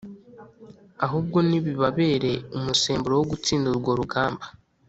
ahubwo nibibabere umusemburo wo gutsinda urwo rugamba